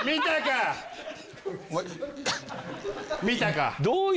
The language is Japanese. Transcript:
見たか。